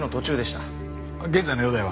現在の容体は？